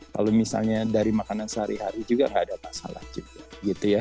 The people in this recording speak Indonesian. kalau misalnya dari makanan sehari hari juga nggak ada masalah juga gitu ya